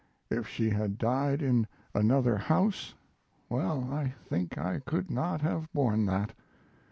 If she had died in another house well, I think I could not have borne that.